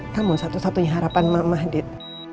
kamu satu satunya harapan mama dit